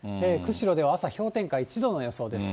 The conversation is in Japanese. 釧路では、朝氷点下１度の予想です。